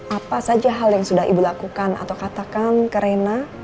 apa saja hal yang sudah ibu lakukan atau katakan ke rena